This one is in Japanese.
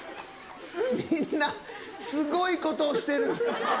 みんな、すごいことしてる。